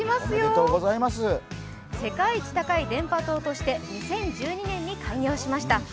世界一高い電波塔として２０１２年に開業しました。